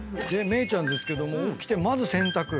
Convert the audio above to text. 芽郁ちゃんですけども起きてまず洗濯？